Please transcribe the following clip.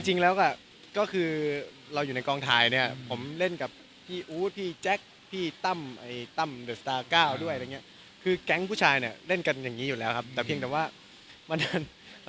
จริงแล้วก็คือเราอยู่ในกลางทุกทีเนี่ยผมเล่นกลับคือแกงผู้ชายเนี่ยนั้นกันอย่างนี้หรอครับที่แต่ว่าง